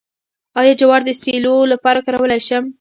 آیا جوار د سیلو لپاره کارولی شم؟